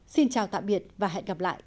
xin chào tạm biệt và hẹn gặp lại